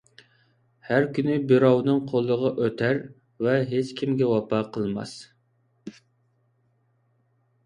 ھەر كۈنى بىراۋنىڭ قولىغا ئۆتەر ۋە ھېچكىمگە ۋاپا قىلماس.